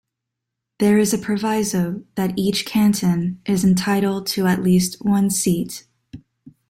There is a proviso that each canton is entitled to at least one seat.